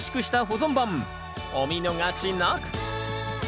お見逃しなく。